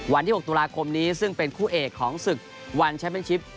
วันที่๖ตุลาคมนี้ซึ่งเป็นคู่เอกของศึกวันแชมเป็นชิป